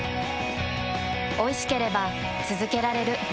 おいしければつづけられる。